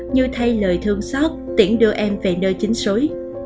như thay lời thương xót tiễn đưa em về nơi chính số